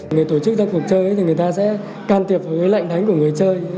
người tổ chức ra cuộc chơi thì người ta sẽ can tiệp với lệnh đánh của người chơi